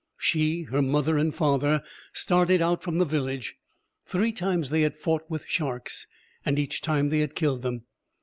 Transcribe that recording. She, her mother and father, started out from the village. Three times they had fought with sharks, and each time they had killed them.